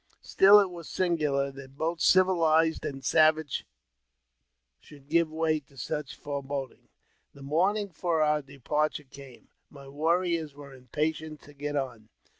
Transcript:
Still it was singular that both civilized and savage should give way to such forebodings. The morning for our departure came; my warriors were unpatient to get on.